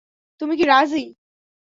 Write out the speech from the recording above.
তুমি কি রাজি?